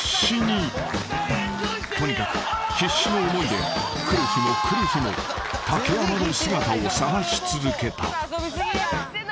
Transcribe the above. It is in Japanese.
［とにかく必死の思いで来る日も来る日も竹山の姿を捜し続けた］